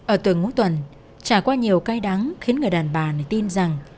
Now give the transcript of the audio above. ở tuổi ngũ tuần trả qua nhiều cay đắng khiến người đàn bà này tin rằng